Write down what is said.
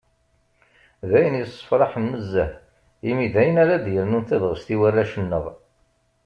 D ayen yessefraḥen nezzeh, imi d ayen ara d-yernun tabɣest i warrac-nneɣ.